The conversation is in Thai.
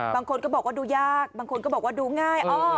บางคนก็บอกว่าดูยากบางคนก็บอกว่าดูง่าย